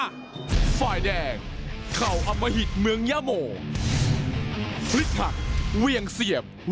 จากเกาสี่เมืองจราเข้เขียว